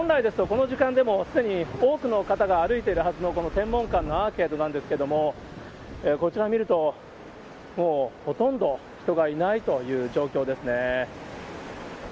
本来ですと、この時間でもすでに多くの方が歩いているはずのこの天文館のアーケードなんですけれども、こちらを見ると、もうほとんど人がいないという状況ですね。